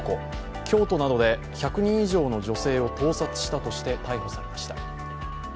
京都などで、１００人以上の女性を盗撮したとして逮捕されました。